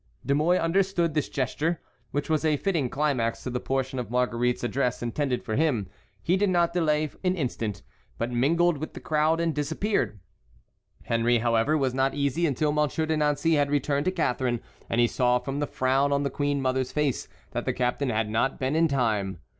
De Mouy understood this gesture, which was a fitting climax to the portion of Marguerite's address intended for him. He did not delay an instant, but mingled with the crowd and disappeared. Henry, however, was not easy until Monsieur de Nancey had returned to Catharine, and he saw from the frown on the queen mother's face that the captain had not been in time.